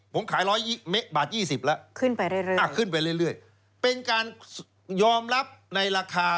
ผมขาย๑๒๐ละขึ้นไปเรื่อยเป็นการยอมรับในราคา